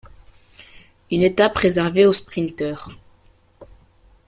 Une étape réservée aux sprinteurs.